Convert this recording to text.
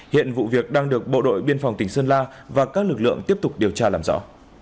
hiện vụ việc đang được bộ đội biên phòng tỉnh sơn la và các lực lượng tiếp tục điều tra làm rõ